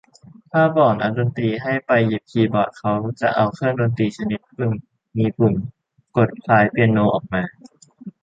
ถ้าบอกนักดนตรีให้ไปหยิบคีย์บอร์ด เขาจะเอาเครื่องดนตรีชนิดหนึ่งมีปุ่มกดคล้ายเปียโนออกมา